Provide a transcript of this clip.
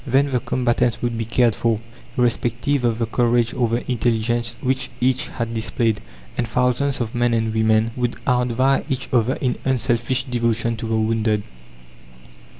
Then the combatants would be cared for, irrespective of the courage or the intelligence which each had displayed, and thousands of men and women would outvie each other in unselfish devotion to the wounded.